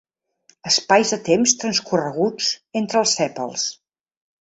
Espais de temps transcorreguts entre els sèpals.